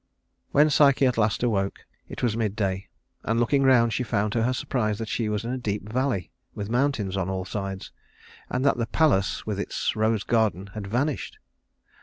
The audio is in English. When at last Psyche awoke, it was midday; and looking around she found to her surprise that she was in a deep valley with mountains on all sides, and that the palace with its rose garden had vanished.